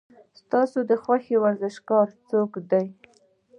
ستا د خوښې ورزشکار څوک دی؟